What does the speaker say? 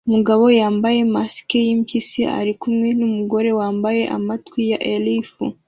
Umugabo wambaye mask yimpyisi ari kumwe numugore wambaye amatwi ya elf